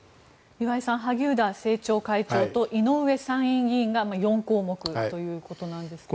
岩井さん萩生田政調会長と井上参議院議員が４項目ということですが。